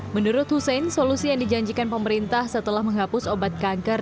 menurut hussein solusi yang dijanjikan pemerintah setelah menghapus obat kanker